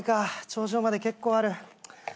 頂上まで結構ある。